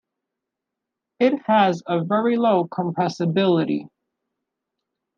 It has a very low compressibility.